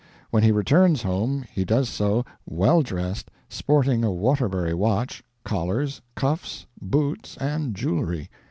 When he returns home he does so well dressed, sporting a Waterbury watch, collars, cuffs, boots, and jewelry.